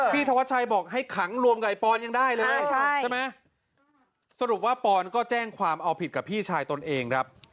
ธวัชชัยบอกให้ขังรวมกับไอ้ปอนยังได้เลยใช่ไหมสรุปว่าปอนก็แจ้งความเอาผิดกับพี่ชายตนเองครับ